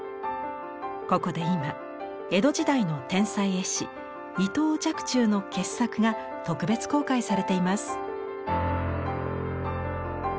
ここで今江戸時代の天才絵師伊藤若冲の傑作が特別公開されています。